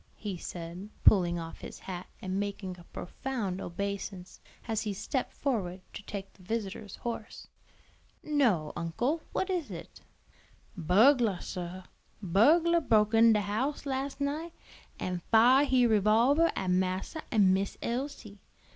he said, pulling off his hat and making a profound obeisance, as he stepped forward to take the visitor's horse. "No, uncle, what is it?" "Burglah, sir, burglah broke in de house las' night, an' fire he revolvah at massa an' Miss Elsie.